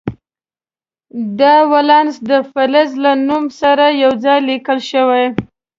دا ولانس د فلز له نوم سره یو ځای ولیکل شي.